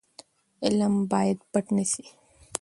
علم باید پټ نه سي.